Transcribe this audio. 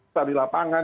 serta di lapangan